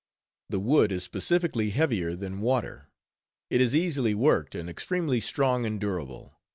The wood is specifically heavier than water; it is easily worked, and extremely strong and durable.